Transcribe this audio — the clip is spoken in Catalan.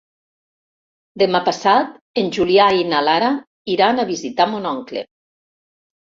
Demà passat en Julià i na Lara iran a visitar mon oncle.